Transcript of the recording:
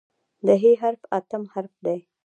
د "ح" حرف اتم حرف دی.